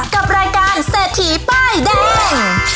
กับรายการเศรษฐีป้ายแดง